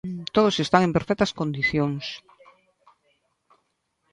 Todos están en perfectas condicións.